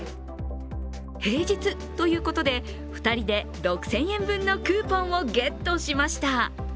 平日ということで２人で６０００円分のクーポンをゲットしました。